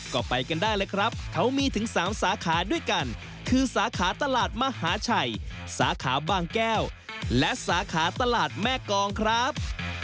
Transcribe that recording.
ก็ไปกันได้เลยครับเขามีถึง๓สาขาด้วยกันคือสาขาตลาดมหาชัยสาขาบางแก้วและสาขาตลาดแม่กองครับ